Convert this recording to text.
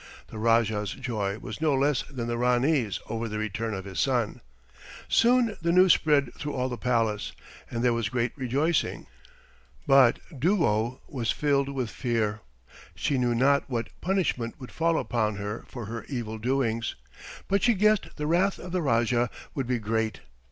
The Rajah's joy was no less than the Ranee's over the return of his son. Soon the news spread through all the palace, and there was great rejoicing. But Duo was filled with fear. She knew not what punishment would fall upon her for her evil doings, but she guessed the wrath of the Rajah would be great.